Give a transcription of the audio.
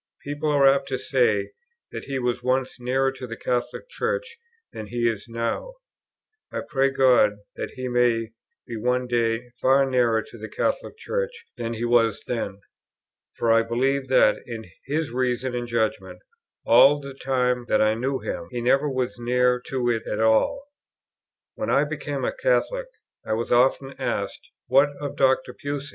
People are apt to say that he was once nearer to the Catholic Church than he is now; I pray God that he may be one day far nearer to the Catholic Church than he was then; for I believe that, in his reason and judgment, all the time that I knew him, he never was near to it at all. When I became a Catholic, I was often asked, "What of Dr. Pusey?"